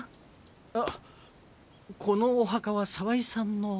あこのお墓は澤井さんの。